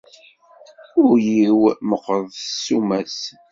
Ul-iw meqqret ssuma-s.